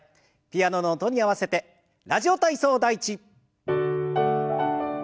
ピアノの音に合わせて「ラジオ体操第１」。